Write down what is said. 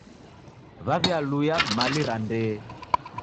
W'aw'ialuya mali ra ndee.